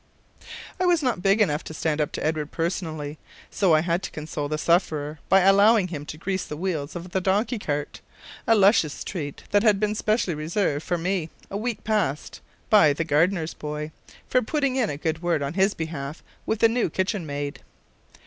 I was not big enough to stand up to Edward personally, so I had to console the sufferer by allowing him to grease the wheels of the donkey cart a luscious treat that had been specially reserved for me, a week past, by the gardener's boy, for putting in a good word on his behalf with the new kitchen maid.